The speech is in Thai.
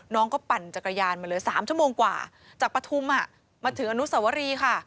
น้องก็ปั่นจักรยานมาเลย๓ชั่วโมงกว่าจากปฐุมมาถึงอนุสวรีค่ะ